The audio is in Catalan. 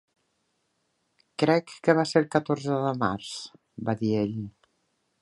'Crec que va ser el catorze de març,' va dir ell.